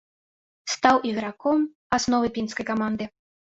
Стаў іграком асновы пінскай каманды.